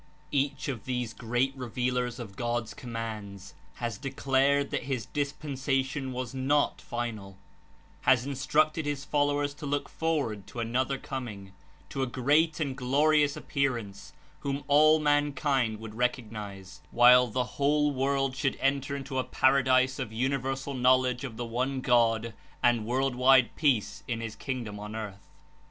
Each of these great revealers of God's commands has declared that his dispensation was not final; has Instructed his followers to look forward to another coming, to a great and glorious Appearance, whom No all mankind would recognize, while the Dispensation whole world should enter into a para ^^"^^ disc of universal knowledge of the One God and world wide peace in his Kingdom on earth.